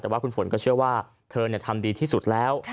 แต่ว่าคุณฝนก็เชื่อว่าเธอทำดีที่สุดแล้ว